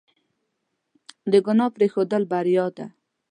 د ګناه پرېښودل بریا ده.